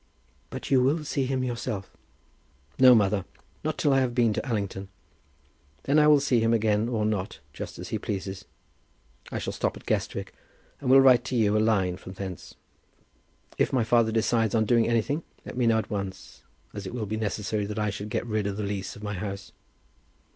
"But you will see him yourself?" "No, mother; not till I have been to Allington. Then I will see him again or not, just as he pleases. I shall stop at Guestwick, and will write to you a line from thence. If my father decides on doing anything, let me know at once, as it will be necessary that I should get rid of the lease of my house."